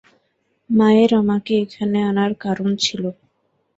মায়ের আমাকে এখানে আনার কারণ ছিল।